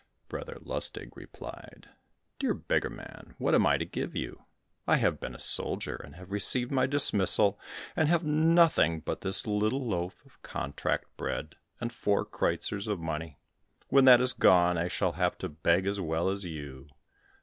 Brother Lustig replied, "Dear beggar man, what am I to give you? I have been a soldier, and have received my dismissal, and have nothing but this little loaf of contract bread, and four kreuzers of money; when that is gone, I shall have to beg as well as you.